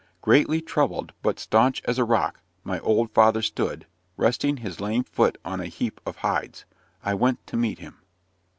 Greatly troubled, but staunch as a rock, my old father stood, resting his lame foot on a heap of hides. I went to meet him.